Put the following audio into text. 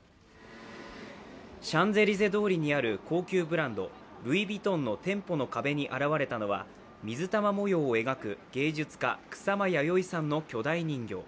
シャンゼリゼ通りにある高級ブランド、ルイ・ヴィトンの店舗の壁に現れたのは水玉模様を描く芸術家・草間彌生さんの巨大人形。